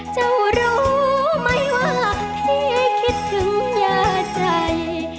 เจ้ารู้ไหมว่าพี่คิดถึงยาใจ